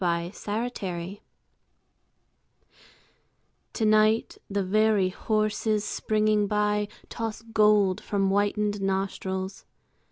WINTER EVENING To night the very horses springing by Toss gold from whitened nostrils.